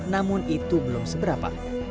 namun itu belum seberapa